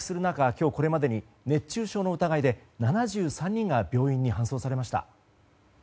今日これまでに熱中症の疑いで７３人が病院に搬送されました。